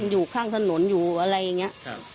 อยู่ข้างถนนอยู่อะไรอย่างนี้